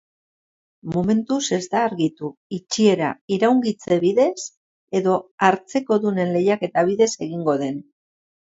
Momentuz ez da argitu itxiera iraungitze bidez edo hartzekodunen lehiaketa bidez egingo den.